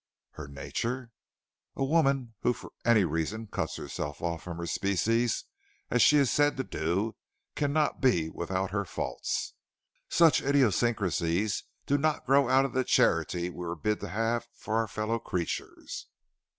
"Her nature?" "A woman who for any reason cuts herself off from her species, as she is said to do, cannot be without her faults. Such idiosyncrasies do not grow out of the charity we are bid to have for our fellow creatures."